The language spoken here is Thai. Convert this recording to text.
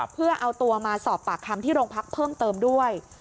เพื่อเอาตัวมาสอบปากคำที่โรงพักเพิ่มเติมด้วย